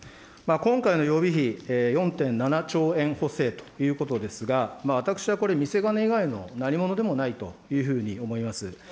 今回の予備費、４．７兆円補正ということですが、私はこれ、見せ金以外の何ものではないというふうに思います。